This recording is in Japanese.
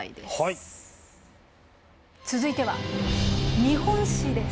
続いては「日本史」です。